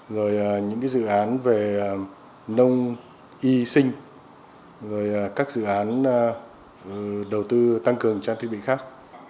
rồi những dự án về nông y sinh rồi các dự án đầu tư tăng cường trang thiết bị khác